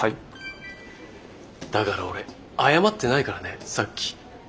だから俺謝ってないからねさっき。